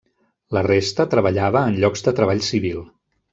La resta treballava en llocs de treball civil.